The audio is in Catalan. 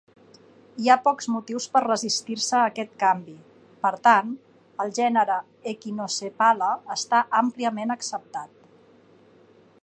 Hi ha pocs motius per resistir-se a aquest canvi. Per tant, el gènere "Echinosepala" està àmpliament acceptat.